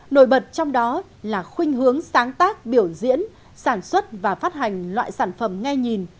nổi bật trong đó là khuyên hướng sáng tác biểu diễn sản xuất và phát hành loại sản phẩm nghe nhìn